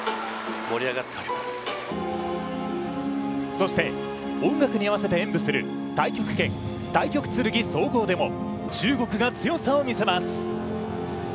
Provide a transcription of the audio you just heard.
そして音楽に合わせて演武する太極拳、太極剣総合でも中国が強さを見せます。